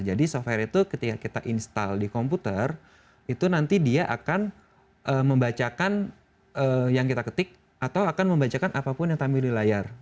jadi software itu ketika kita install di komputer itu nanti dia akan membacakan yang kita ketik atau akan membacakan apapun yang kami milih layar